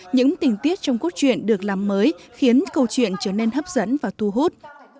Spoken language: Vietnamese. những tình tiết trong cốt truyện được làm mới khiến câu chuyện trở nên hấp dẫn và thu hút